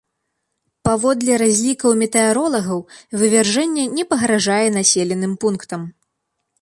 Паводле разлікаў метэаролагаў, вывяржэнне не пагражае населеным пунктам.